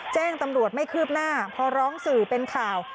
แจ้งตำรวจไม่คืบหน้าพอร้องสื่อเป็นข่าว